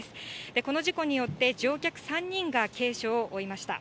この事故によって乗客３人が軽傷を負いました。